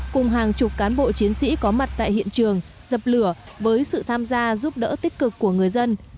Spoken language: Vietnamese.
cùng hàng chục cán bộ chiến sĩ có mặt tại hiện trường dập lửa với sự tham gia giúp đỡ tích cực của người dân